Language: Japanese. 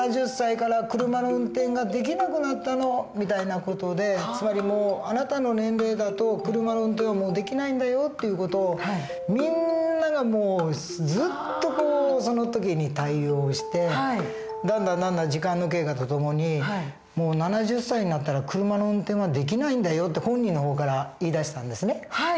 ７０歳から車の運転ができなくなったの」みたいな事でつまりもうあなたの年齢だと車の運転はもうできないんだよって事をみんながもうずっとその時に対応してだんだんだんだん時間の経過とともに「もう７０歳になったら車の運転はできないんだよ」と本人の方から言いだしたんですね。